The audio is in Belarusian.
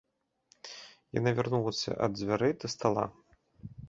Яна вярнулася ад дзвярэй да стала.